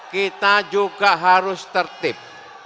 kita juga harus tertib